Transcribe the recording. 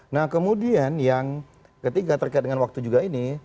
nah kemudian yang ketiga terkait dengan waktu juga ini